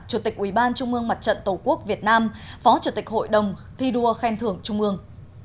chủ tịch ubnd mặt trận tổ quốc việt nam phó chủ tịch hội đồng thi đua khen thưởng trung ương